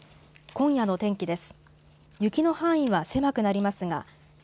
今夜の天気です。